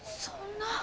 そんな。